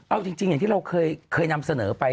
เอาจริงที่เราเคยเคยนำเสนอไป